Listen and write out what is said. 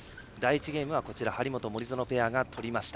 第１ゲームは張本、森薗が取りました。